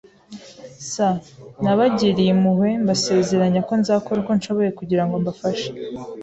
[S] Nabagiriye impuhwe, mbasezeranya ko nzakora uko nshoboye kugira ngo mfashe.